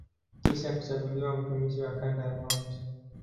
Kisha kuchaguliwa mtumishi wa kanda ya Mt.